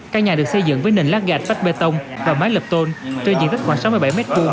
căn nhà được xây dựng với nền lát gạch vách bê tông và mái lập tôn trên diện tích khoảng sáu mươi bảy m hai